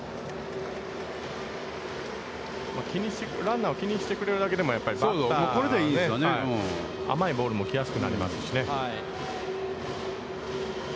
ランナーを気にしてくれるだけでも、バッターは、甘いボールも来やすくなりますしね。